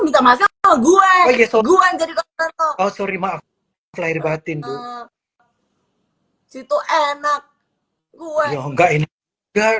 minta maaf gue gue jadi oh sorry maaf lahir batin situ enak gua enggak enggak